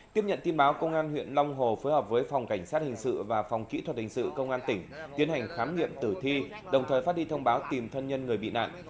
tiếp nhận tin báo công an huyện long hồ phối hợp với phòng cảnh sát hình sự và phòng kỹ thuật hình sự công an tỉnh tiến hành khám nghiệm tử thi đồng thời phát đi thông báo tìm thân nhân người bị nạn